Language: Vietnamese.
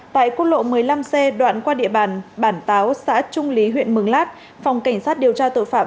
tại quốc lộ một mươi năm c đoạn qua địa bàn bản táo xã trung lý huyện mường lát phòng cảnh sát điều tra tội phạm